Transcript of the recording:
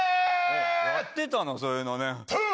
やってたの、そういうのね。